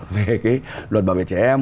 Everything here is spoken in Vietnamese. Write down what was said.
về cái luật bảo vệ trẻ em